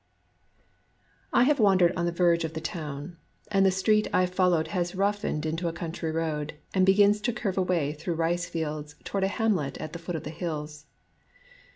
I HAVE wandered to the verge of the town ; and the street I followed has roughened into a country road, and begins to curve away through rice fields toward a hamlet at the foot of the hills.